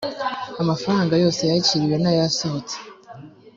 amafaranga yose yakiriwe n ayasohotse